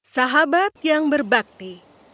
sahabat yang berbakti